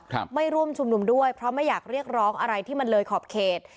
ไม่ร่วมชุมนุมด้วยเพราะไม่อยากเรียกร้องอะไรที่มันเลยขอบเขต